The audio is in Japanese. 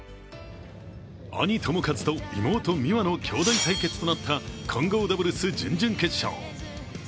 兄・智和と妹・美和のきょうだい対決となった混合ダブルス準々決勝。